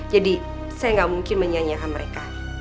jadi saya gak mungkin menyanyikan mereka